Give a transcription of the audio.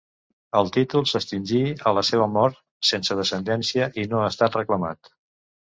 El títol s'extingí a la seva mort, sense descendència, i no ha estat reclamat.